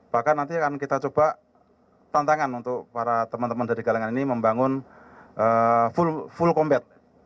bahkan nanti akan kita coba tantangan untuk para teman teman dari galangan ini membangun full combat